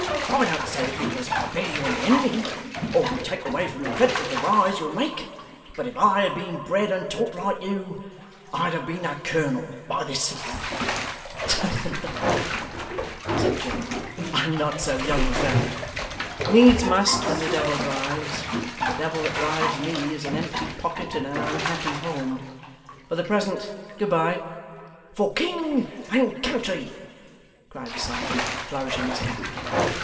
I don't say it because I bear you any envy, or would take away from the credit of the rise you'll make, but if I had been bred and taught like you, I'd have been a colonel by this time.' 'Tush, man!' said Joe, 'I'm not so young as that. Needs must when the devil drives; and the devil that drives me is an empty pocket and an unhappy home. For the present, good bye.' 'For king and country!' cried the serjeant, flourishing his cap.